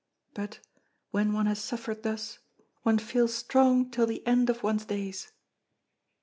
But, when one has suffered thus, one feels strong till the end of one's days."